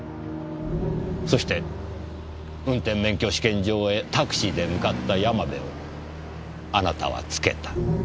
そして運転免許試験場へタクシーで向かった山部をあなたはつけた。